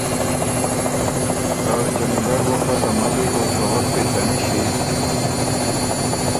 که جمیلۀ ر بُو خه ته ملّی او ته وک پېڅه نِݭی